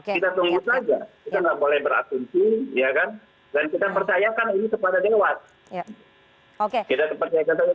kita percayakan ini kepada dewan